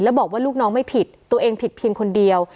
แล้วบอกว่าลูกน้องไม่ผิดตัวเองผิดเพียงคนเดียว